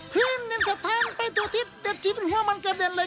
พื้นนินสะท้านไปตัวทิศเต็ดชิบเป็นหัวมันกระเด็นเลย